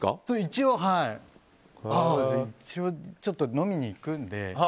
一応、ちょっと飲みに行くんで。